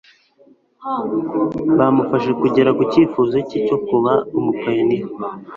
bamufashe kugera ku cyifuzo cye cyo kuba umupayiniya